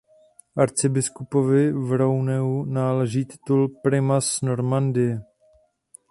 Arcibiskupovi z Rouenu náleží titul "primas Normandie".